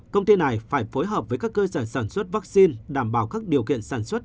công ty này phải phối hợp với các cơ sở sản xuất vaccine đảm bảo các điều kiện sản xuất